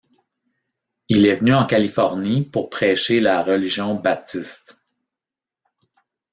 Il était venu en Californie pour prêcher la religion baptiste.